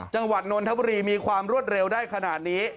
จังหวัดนนทบุรีมีความรวดเร็วได้ขนาดนี้